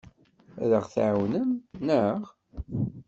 Ad aɣ-tɛawnem, naɣ?